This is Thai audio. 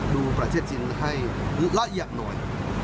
ดูประเทศจีนให้รักอย่างหน่อย